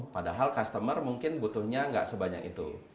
padahal customer mungkin butuhnya nggak sebanyak itu